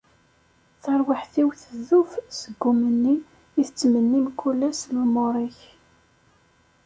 Tarwiḥt-iw tdub seg umenni i tettmenni mkul ass lumuṛ-ik.